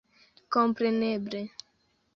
Kompreneble.